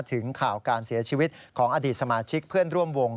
ถึงข่าวการเสียชีวิตของอดีตสมาชิกเพื่อนร่วมวง